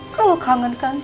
kalau kangen kan